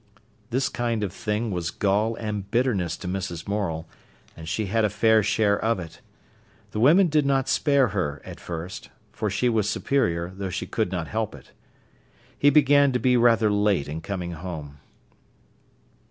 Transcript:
This kind of thing was gall and bitterness to Mrs. Morel, and she had a fair share of it. The women did not spare her, at first; for she was superior, though she could not help it. He began to be rather late in coming home.